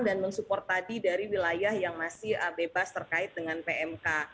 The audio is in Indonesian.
dan mensupport tadi dari wilayah yang masih bebas terkait dengan pmk